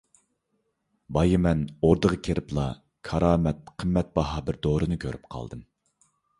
بايا مەن ئوردىغا كىرىپلا كارامەت قىممەت باھا بىر دورىنى كۆرۈپ قالدىم.